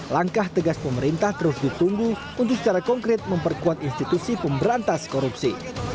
langkah tegas pemerintah terus ditunggu untuk secara konkret memperkuat institusi pemberantas korupsi